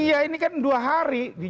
iya ini kan dua hari